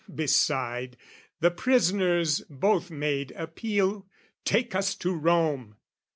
Beside, the prisoners both made appeal, "Take us to Rome!"